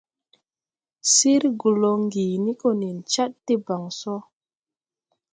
Sir Golonguini go nen Chad debaŋ so.